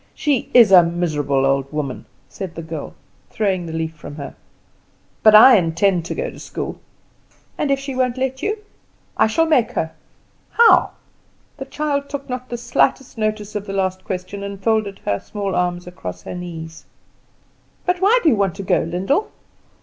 She is a miserable old woman," said the girl, throwing the leaf from her; "but I intend to go to school." "And if she won't let you?" "I shall make her." "How?" The child took not the slightest notice of the last question, and folded her small arms across her knees. "But why do you want to go, Lyndall?"